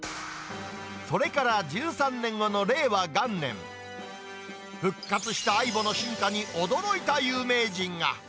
それから１３年後の令和元年、復活したａｉｂｏの進化に驚いた有名人が。